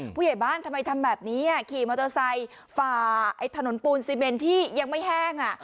ผู้ใหญ่บ้านทำไมทำแบบนี้ขี่มอเตอร์ไซค์ฝ่าถนนปูนซีเมนที่ยังไม่แห้ง